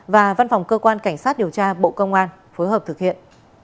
và văn phòng cơ quan cảnh sát điều tra bộ công an phối hợp thực hiện